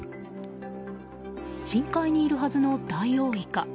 深海にいるはずのダイオウイカ。